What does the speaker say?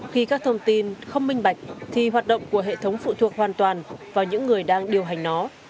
khi các thông tin không minh bạch thì hoạt động của hệ thống phụ thuộc hoàn toàn vào những người đang điều hành nó